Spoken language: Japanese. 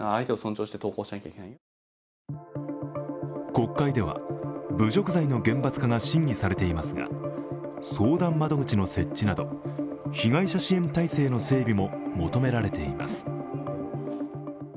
国会では侮辱罪の厳罰化が審議されていますが相談窓口の設置など被害者支援体制の整備も求められています。